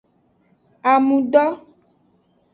Amudo.